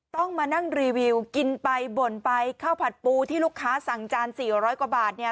ต้องมานั่งรีวิวกินไปบ่นไปข้าวผัดปูที่ลูกค้าสั่งจาน๔๐๐กว่าบาทเนี่ย